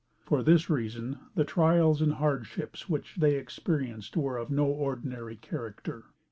For this reason, the trials and hardships which they experienced were of no ordinary character.